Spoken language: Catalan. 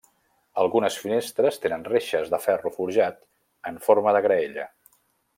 Algunes finestres tenen reixes de ferro forjat en forma de graella.